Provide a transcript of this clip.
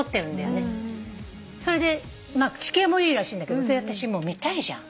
それで地形もいいらしいんだけどそれ私見たいじゃん。